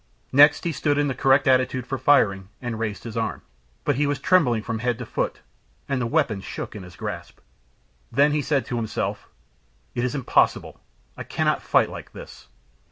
Next he stood in the correct attitude for firing, and raised his arm. But he was trembling from head to foot, and the weapon shook in his grasp. Then he said to himself: "It is impossible. I cannot fight like this."